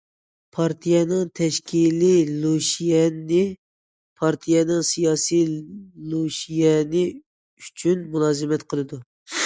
پارتىيەنىڭ تەشكىلىي لۇشيەنى پارتىيەنىڭ سىياسىي لۇشيەنى ئۈچۈن مۇلازىمەت قىلىدۇ.